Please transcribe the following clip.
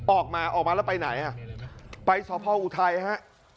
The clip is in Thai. ออกมาออกมาแล้วไปไหนอ่ะไปสพออุทัยฮะ